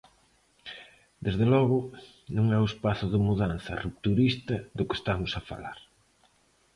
Desde logo, non é o espazo de mudanza, rupturista, do que estamos a falar.